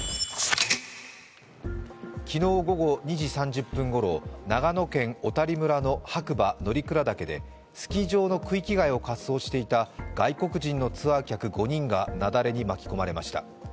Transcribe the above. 昨日午後２時３０分ごろ、長野県小谷村の白馬乗鞍岳でスキー場の区域外を滑走していた外国人のツアー客５人が雪崩に巻き込まれました。